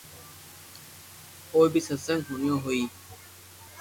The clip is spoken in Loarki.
او بي ستسنگ ھوڻتو ھوئي